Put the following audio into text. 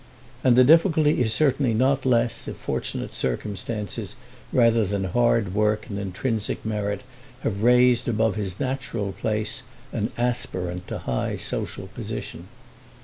And the difficulty is certainly not less if fortunate circumstances rather than hard work and intrinsic merit have raised above his natural place an aspirant to high social position.